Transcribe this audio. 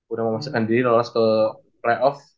udah memasukkan diri lolos ke playoff